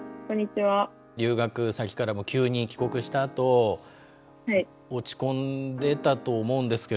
留学先からも急に帰国したあと落ち込んでたと思うんですけれども。